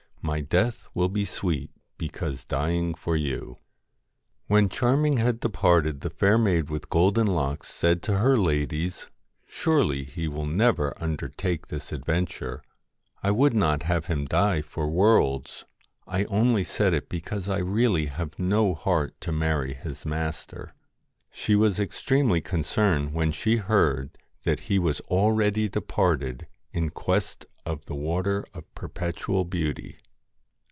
My death will be sweet because dying for you.' When Charming had departed the Fair Maid with Golden Locks said to her ladies :' Surely he will never undertake this adventure. I would not have him die for worlds. I only said it because I really have no heart to marry his master.' She was extremely concerned when she heard that he was already departed in quest of the Water of Perpetual Beauty.